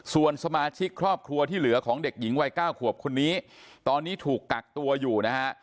ส่วนสมาชิกครอบครัวที่เหลือของเด็กหญิงวัย๙ขวบคนนี้ตอนนี้ถูกกักตัวอยู่นะฮะ